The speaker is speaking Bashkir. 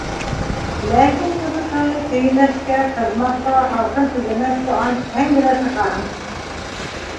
Ләкин, ҡыҙыҡай, көймәҫкә, ҡыҙмаҫҡа, һалҡын тейҙермәҫкә ант итһәң генә сығаһың!